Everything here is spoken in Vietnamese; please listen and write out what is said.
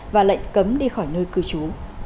và lệnh cấm đi khỏi nơi cư trú